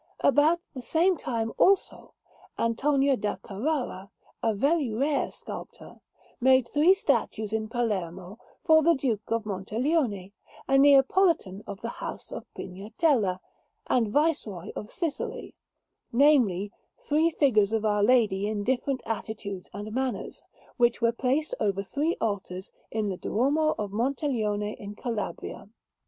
About the same time, also, Antonio da Carrara, a very rare sculptor, made three statues in Palermo for the Duke of Monteleone, a Neapolitan of the house of Pignatella, and Viceroy of Sicily namely, three figures of Our Lady in different attitudes and manners, which were placed over three altars in the Duomo of Monteleone in Calabria.